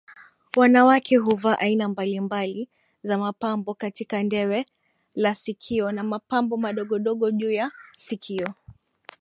Wanawake huvaa aina mbalimbali za mapambo katika ndewe la sikiona mapambo madogojuu ya sikio